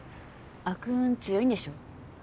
悪運強いんでしょ？